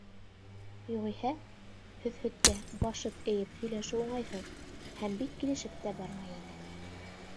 Юғиһә, һөҙһөткә башып эйеп һөйләшеү уңайһыҙ, һәм бик килешеп тә бармай ине.